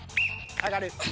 上がる。